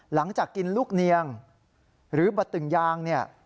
หลังจากกินลูกเนียงหรือบะตึงยางเนี่ย